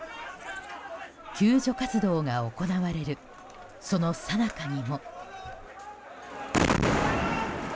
救助活動が行われるそのさなかにも。